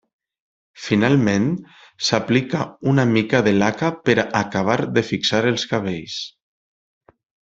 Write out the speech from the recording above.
Finalment, s'aplica una mica de laca per a acabar de fixar els cabells.